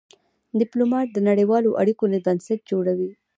ډيپلومات د نړېوالو اړیکو بنسټ جوړوي.